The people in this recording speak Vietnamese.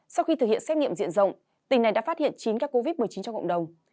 sau khi thực hiện xét nghiệm diện rộng tỉnh này đã phát hiện chín ca covid một mươi chín trong cộng đồng